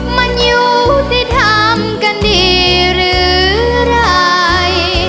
มันอยู่ที่ทำกันดีหรืออะไร